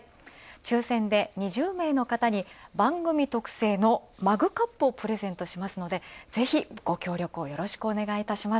抽選で２０名の方に番組特製のマグカップをプレゼントしますので、ぜひご協力をよろしくお願いします。